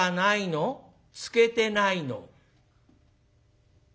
「漬けてないの」。